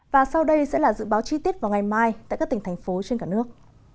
và sau đây sẽ là dự báo chi tiết vào ngày mai tại các tỉnh thành phố trên cả nước